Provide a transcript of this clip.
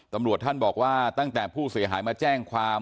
ตำรวจท่านบอกว่าตั้งแต่ผู้เสียหายมาแจ้งความ